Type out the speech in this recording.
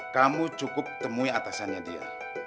kamu cukup temui atasannya dia